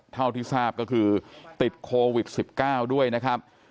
เท่าที่ทราบก็คือติดโควิด๑๙ด้วยนะครับ